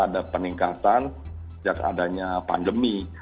ada peningkatan sejak adanya pandemi